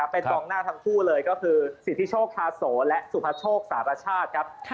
เป็นตรงหน้าทั้งคู่เลยก็คือสิทธิโชคคาโสและสุพชกสาปัชชาติ